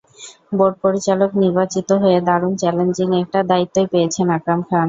Board পরিচালক নির্বাচিত হয়ে দারুণ চ্যালেঞ্জিং একটা দায়িত্বই পেয়েছেন আকরাম খান।